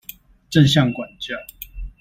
正向管教